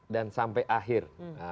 dan sampai akhir